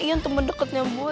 iyan temen deketnya gue